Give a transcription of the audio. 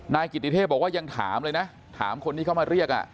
นายกิติเทพบอกว่ายังถามเลยนะถามคนที่เข้ามาเรียก